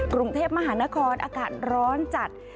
กรุงเทพมหานครอากาศร้อนจัด